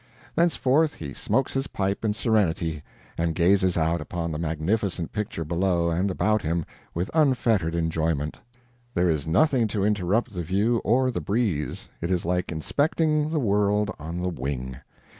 Thenceforth he smokes his pipe in serenity, and gazes out upon the magnificent picture below and about him with unfettered enjoyment. There is nothing to interrupt the view or the breeze; it is like inspecting the world on the wing.